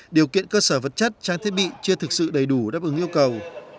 điều kiện cơ sở vật chất trang thiết bị chưa thực sự đầy đủ đáp ứng yêu cầu